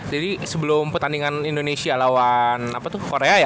jadi sebelum pertandingan indonesia lawan korea ya